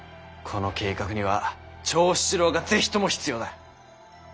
この計画には長七郎が是非とも必要だ。